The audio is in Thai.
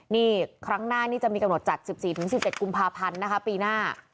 นี่ครั้งหน้านี่จะมีกำหนดจัด๑๔๑๗กุมภาพันธ์นะคะปีหน้า